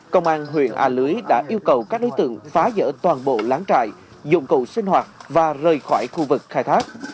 công an huyện a lưới đã yêu cầu các đối tượng phá giỡn toàn bộ láng trại dụng cầu sinh hoạt và rời khỏi khu vực khai thác